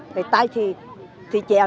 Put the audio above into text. cái tay thì chèo